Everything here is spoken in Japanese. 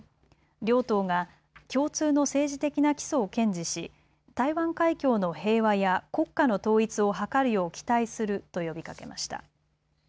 両党が共通の政治的な基礎を堅持し台湾海峡の平和や国家の統一をはかるよう期待すると呼びかけました。